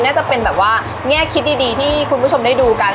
น่าจะเป็นแบบว่าแง่คิดดีที่คุณผู้ชมได้ดูกัน